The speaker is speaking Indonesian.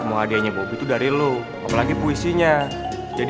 gua heran deh kenapa gua disuruh bikin puisi coba